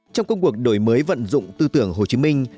trong công cuộc đổi mới vận dụng tư tưởng hồ chí minh